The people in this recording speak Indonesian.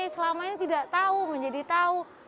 selama ini tidak tahu menjadi tahu